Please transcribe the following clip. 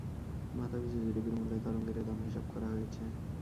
মাথাপিছু জিডিপির মূল্যে তরঙ্গের এ দাম হিসাব করা হয়েছে।